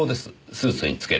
スーツにつける。